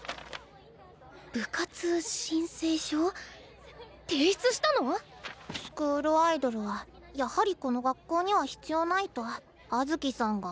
部活申請書？提出したの⁉スクールアイドルはやはりこの学校には必要ないと葉月さんが。